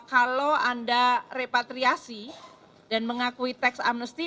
kalau anda repatriasi dan mengakui teks amnesti